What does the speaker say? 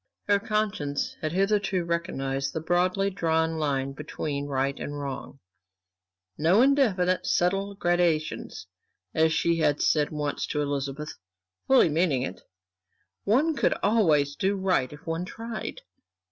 Her conscience had hitherto recognized the broadly drawn line between right and wrong; no indefinite, subtle gradations. As she had said once to Elizabeth, fully meaning it, one could always do right if one tried.